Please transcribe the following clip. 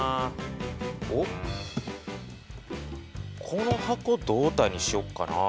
おっこの箱胴体にしよっかな。